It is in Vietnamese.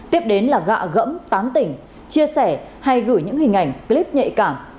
tiếp đến là gạ gẫm tán tỉnh chia sẻ hay gửi những hình ảnh clip nhạy cảm